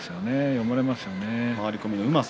読まれますよね。